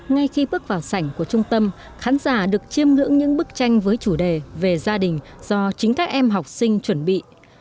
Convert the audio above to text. ngay khi bước vào sảnh của trung tâm khán giả được chiêm ngưỡng những bức tranh với chủ đề về gia đình do chính các em học sinh chuẩn bị